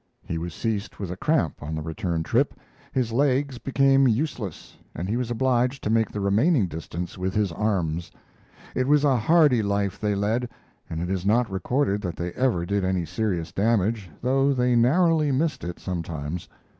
He was seized with a cramp on the return trip. His legs became useless, and he was obliged to make the remaining distance with his arms. It was a hardy life they led, and it is not recorded that they ever did any serious damage, though they narrowly missed it sometimes.